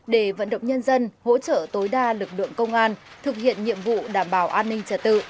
để vận động nhân dân hỗ trợ tối đa lực lượng công an thực hiện nhiệm vụ đảm bảo an ninh trật tự